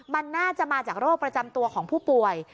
มันน่าจะมาจากโรคประจำตัวของผู้ป่วย